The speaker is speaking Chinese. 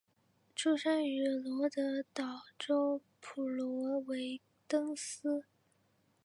出生于罗德岛州普罗维登斯。